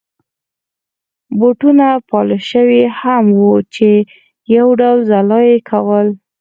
بوټونه پالش شوي هم وو چې یو ډول ځلا يې کول.